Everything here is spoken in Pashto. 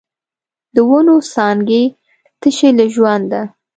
د ونو څانګې تشې له ژونده